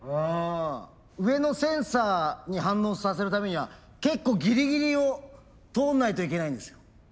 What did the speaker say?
上のセンサーに反応させるためには結構ギリギリを通んないといけないんですよ。